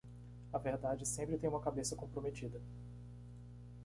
A verdade sempre tem uma cabeça comprometida.